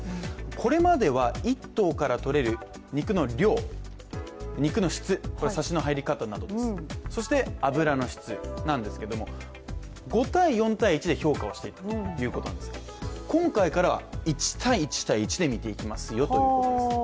これまでは、１頭からとれる肉の量、質、サシの入り方などです、これは油の質なんですが５：４：１で評価していたということなんですが今回からは、１：１：１で見ていきますよということなんです。